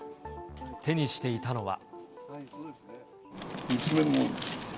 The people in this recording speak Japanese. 手にしていたのは。